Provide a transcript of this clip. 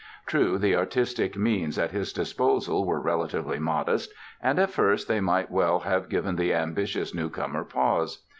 True, the artistic means at his disposal were relatively modest and at first they might well have given the ambitious newcomer pause.